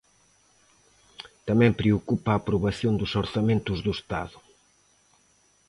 Tamén preocupa a aprobación dos Orzamentos do Estado.